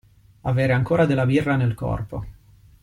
Avere ancora della birra nel corpo.